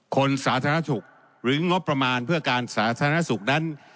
สาธารณสุขหรืองบประมาณเพื่อการสาธารณสุขนั้น